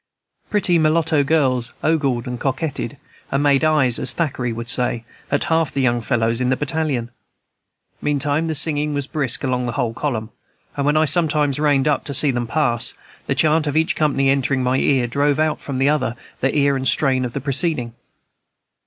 Pretty mulatto girls ogled and coquetted, and made eyes, as Thackeray would say, at half the young fellows in the battalion. Meantime the singing was brisk along the whole column, and when I sometimes reined up to see them pass, the chant of each company, entering my ear, drove out from the other ear the strain of the preceding.